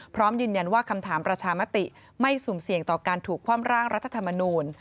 พร้อมยืนยันว่าคำถามประชามติไม่สุ่มเสี่ยงต่อการถูกคว่ำร่างรัฐธรรมนูล